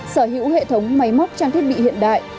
sở hữu hệ thống máy móc trang thiết bị hiện đại